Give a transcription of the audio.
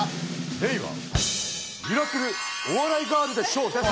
レイは「ミラクルお笑いガールで賞」です！